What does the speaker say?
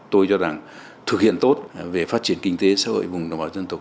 tôi cho rằng thực hiện tốt về phát triển kinh tế xã hội vùng đồng bào dân tộc